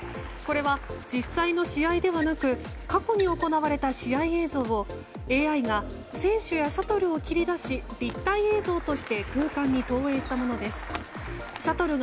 これは実際の試合ではなく過去に行われた試合映像をＡＩが選手やシャトルを切り出して立体映像として空間に投影したものです。